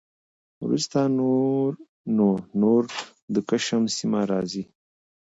وروسته نو نور د کشم سیمه راخي